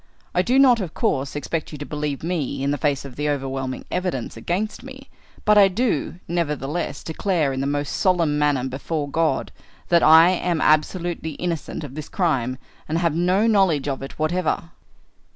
I do not, of course, expect you to believe me in the face of the overwhelming evidence against me, but I do, nevertheless, declare in the most solemn manner before God, that I am absolutely innocent of this crime and have no knowledge of it whatever."